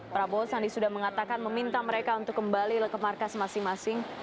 prabowo sandi sudah mengatakan meminta mereka untuk kembali ke markas masing masing